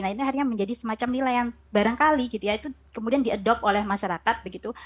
nah ini akhirnya menjadi semacam nilai yang barangkali gitu ya itu kemudian diadopt oleh masyarakat begitu